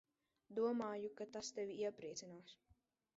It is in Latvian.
Domāju, ka tas tevi iepriecinās.